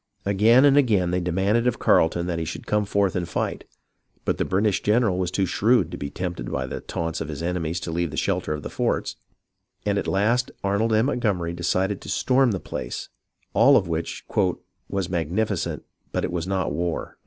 Again and again they demanded of Carleton that he should come forth and fight, but the British general was too shrewd to be tempted by the taunts of his enemies to leave the shelter of the forts, and at last Arnold and Montgomery decided to storm the place — all of which " was magnificent, but it was not war."